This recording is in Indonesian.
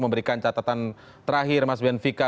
memberikan catatan terakhir mas ben vika